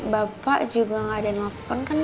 bapak juga gak ada yang nelfon kan bu